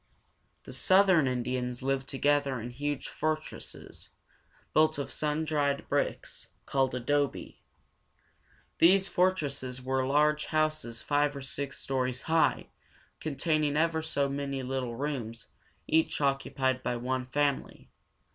The southern Indians lived together in huge fortresses, built of sun dried bricks, called adobe. These fortresses were large houses five or six stories high, containing ever so many little rooms, each occupied by one family.